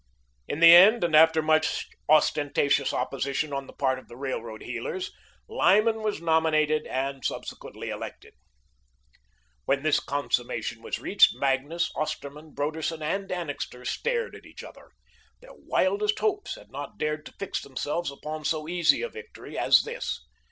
In the end, and after much ostentatious opposition on the part of the railroad heelers, Lyman was nominated and subsequently elected. When this consummation was reached Magnus, Osterman, Broderson, and Annixter stared at each other. Their wildest hopes had not dared to fix themselves upon so easy a victory as this.